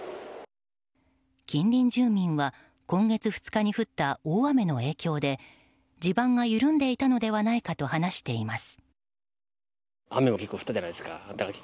近隣住民は、今月２日に降った大雨の影響で地盤が緩んでいたのではないかと話しています。